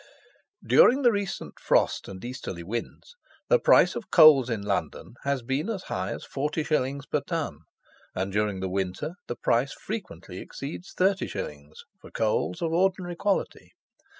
During the recent frost and easterly winds the price of coals in London has been as high as 40_s._ per ton; and during the winter the price frequently exceeds 30_s._ for coals of ordinary quality.